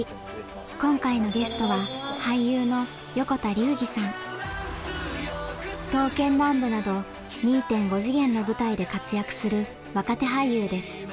今回のゲストは「刀剣乱舞」など２．５次元の舞台で活躍する若手俳優です。